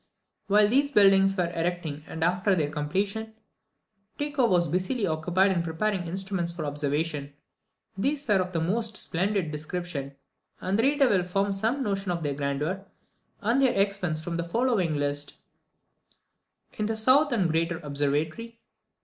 While these buildings were erecting, and after their completion, Tycho was busily occupied in preparing instruments for observation. These were of the most splendid description, and the reader will form some notion of their grandeur and their expense from the following list: _In the south and greater Observatory.